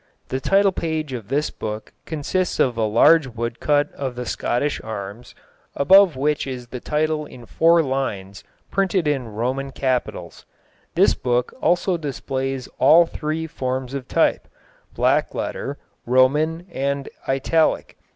The title page of this book consists of a large woodcut of the Scottish arms, above which is the title in four lines printed in Roman capitals. This book also displays all three forms of type black letter, Roman, and Italic.